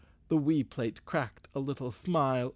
' The wee plate cracked a little smile.